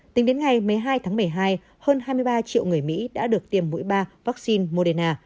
tính đến ngày một mươi hai tháng một mươi hai hơn hai mươi ba triệu người mỹ đã được tiêm mũi ba vaccine moderna